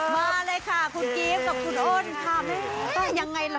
มาเลยค่ะคุณกิฟต์กับคุณอ้นค่ะแม่ต้องยังไงล่ะ